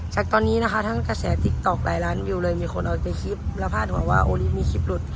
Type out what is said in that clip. จากตอนนี้นะคะทั้งกระแสติ๊กต๊อกหลายล้านวิวเลยมีคนเอาไปคลิปแล้วพาดหัวว่าโอ้นี่มีคลิปหลุด